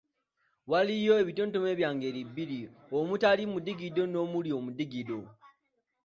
Waliwo ebitontome bya ngeri bbiri, omutali mudigido n'omuli omudigo.